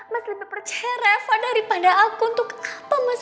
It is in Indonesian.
mas lebih percaya reva daripada aku untuk apa mas